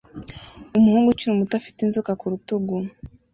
Umuhungu ukiri muto afite inzoka ku rutugu